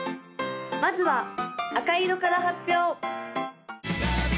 まずは赤色から発表！